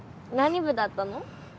何部だったの？